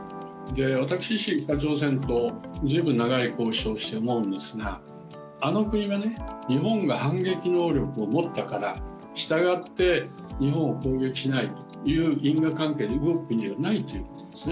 私自身、北朝鮮と随分長い交渉して思うんですが、あの国は、日本が反撃能力を持ったから、したがって日本を攻撃しないという因果関係で動く国ではないということですね。